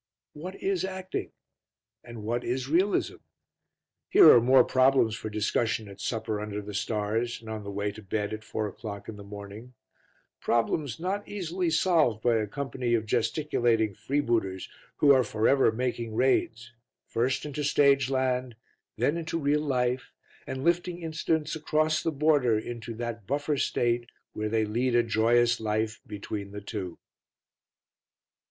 What is acting? And what is realism? Here are more problems for discussion at supper under the stars and on the way to bed at four o'clock in the morning problems not easily solved by a company of gesticulating freebooters who are for ever making raids, first into stage land, then into real life, and lifting incidents across the border into that buffer state where they lead a joyous life between the two.